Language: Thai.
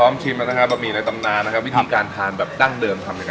วิธีการทานแบบดั้งเดิมทำยังไงครับนี่ครับ